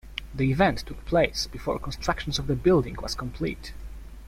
The event took place before construction of the building was complete.